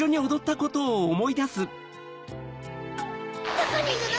どこにいるの？